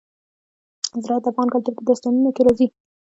زراعت د افغان کلتور په داستانونو کې راځي.